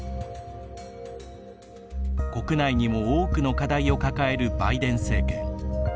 国内にも多くの課題を抱えるバイデン政権。